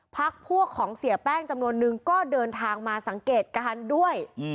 พักพวกของเสียแป้งจำนวนนึงโดยมาสังเกตการด้วย